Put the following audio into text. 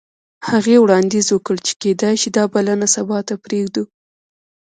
هغې وړاندیز وکړ چې کیدای شي دا بلنه سبا ته پریږدو